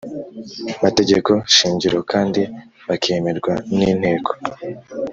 Mategeko shingiro kandi bakemerwa n inteko